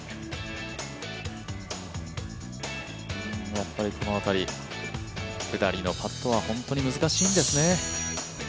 やっぱりこの辺り、下りのパットは本当に難しいんですね。